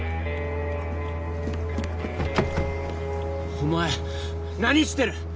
お前何してる！